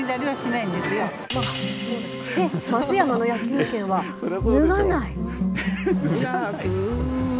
松山の野球拳は脱がない？